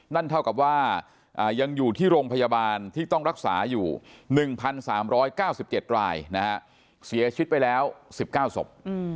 นั่นเท่ากับว่ายังอยู่ที่โรงพยาบาลที่ต้องรักษาอยู่๑๓๙๗รายเสียชีวิตไปแล้ว๑๙ศพ